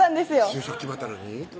就職決まったのに？